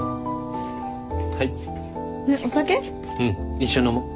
一緒に飲もう。